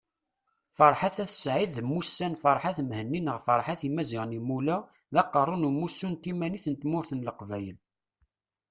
Ferḥat At Said mmusan Ferhat Mehenni neɣ Ferhat Imazighen Imula, d Aqerru n Umussu n Timanit n Tmurt n Leqbayel